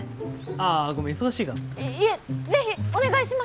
ああごめん忙しいかな。